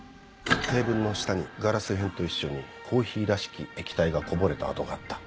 テーブルの下にガラス片と一緒にコーヒーらしき液体がこぼれた跡があった。